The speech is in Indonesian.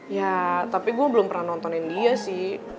ya tapi gue belum pernah nontonin dia sih